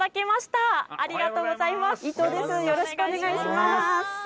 よろしくお願いします。